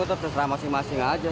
tetap seserah masing masing aja